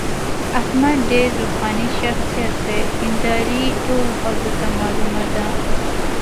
احمد ډېر روښاني شخصیت دی. دینداري ټولو خلکو ته معلومه ده.